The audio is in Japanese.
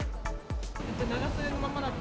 長袖のままだと？